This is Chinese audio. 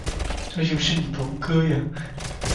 这就是你龙哥呀